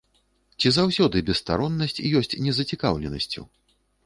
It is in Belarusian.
Ці заўсёды бесстароннасць ёсць незацікаўленасцю?